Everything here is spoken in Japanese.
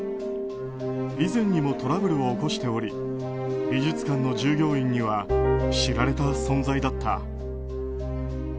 以前にもトラブルを起こしており美術館の従業員には知られた存在だった。